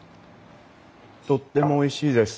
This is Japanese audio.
とってもおいしいです。